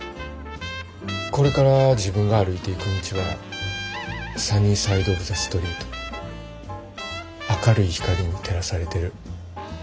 これから自分が歩いていく道はサニー・サイド・オブ・ザ・ストリート明るい光に照らされてる。